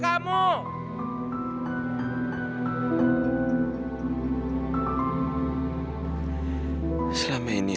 selama ini aku selalu mencintaimu